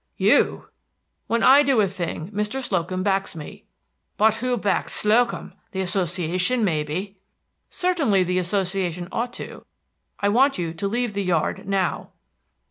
"You!" "When I do a thing Mr. Slocum backs me." "But who backs Slocum, the Association, may be?" "Certainly the Association ought to. I want you to leave the yard now."